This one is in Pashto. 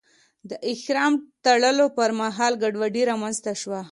د احرام تړلو پر مهال ګډوډي رامنځته شوه.